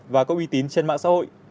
và có uy tín trên mạng xã hội